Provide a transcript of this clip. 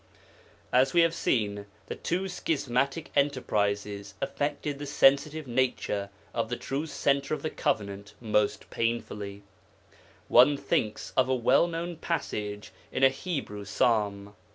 As we have seen, the two schismatic enterprises affected the sensitive nature of the true Centre of the Covenant most painfully; one thinks of a well known passage in a Hebrew psalm.